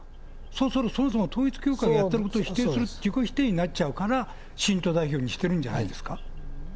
そうすると、そもそも統一教会を、やってることを否定する、自己否定になっちゃうから、信徒代表にしてるんじゃないんですか。